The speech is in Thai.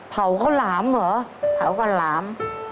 เผาข้าวหลามเหรอเผาข้าวหลาม